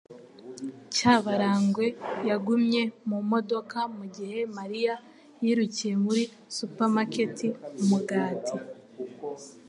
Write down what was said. Cyabarangwe yagumye mu modoka mugihe Mariya yirukiye muri supermarket umugati.